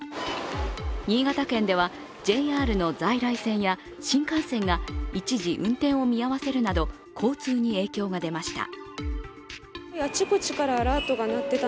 新潟県ではＪＲの在来線や新幹線が一時、運転を見合わせるなど交通に影響が出ました。